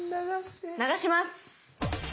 流します！